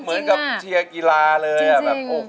เหมือนกับเชียร์กีฬาเลยอะ